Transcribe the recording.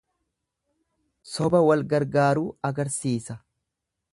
Soba wal gargaaruu agarsiisa.